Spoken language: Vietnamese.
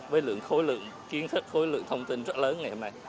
với lượng khối lượng kiến thức khối lượng thông tin rất lớn ngày hôm nay